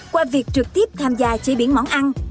qua việc trực tiếp tham gia chế biến món ăn